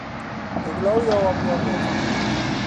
Ik leau jo op jo wurd.